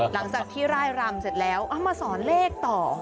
หลังจากที่ร่ายรำเสร็จแล้วเอามาสอนเลขต่อ